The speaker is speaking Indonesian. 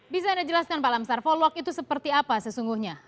bisa anda jelaskan pak lamsar follock itu seperti apa sesungguhnya